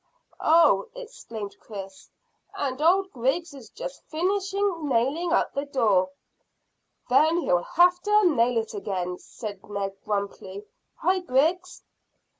"Oh!" exclaimed Chris, "and old Griggs is just finishing nailing up the door." "Then he'll have to un nail it again," said Ned grumpily. "Hi, Griggs!"